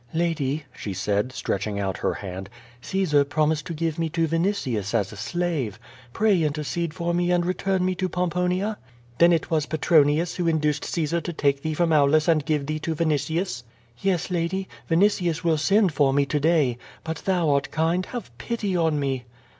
"Lady," she said, stretching out her hand^ "Caesar prom ised to give me to Vinitius as a slave. Pray intercede for me and return me to Pomponia." "Then it was Petronius who induced Caiesar to take thf e from Aulus and give thee to Vinitius?" "Yes, lady, Vinitius will send for me to day; but thou art kind, have pity on me!"